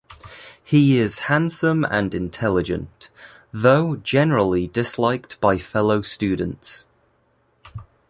He is handsome and intelligent, though generally disliked by fellow students.